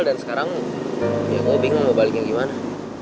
dan sekarang ya gue bingung gue baliknya gimana